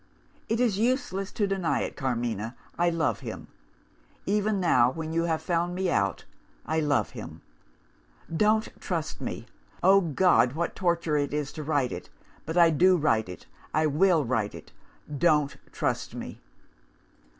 It is useless to deny it, Carmina I love him. Even now, when you have found me out, I love him. Don't trust me. Oh, God, what torture it is to write it but I do write it, I will write it don't trust me!